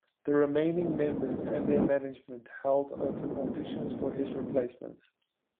The remaining members and their management held open auditions for his replacement.